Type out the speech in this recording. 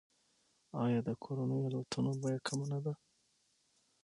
آیا د کورنیو الوتنو بیه کمه نه ده؟